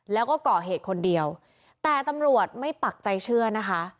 แล้วก็ก่อเหตุคนเดียวแต่ตำรวจไม่ปักใจเชื่อนะคะ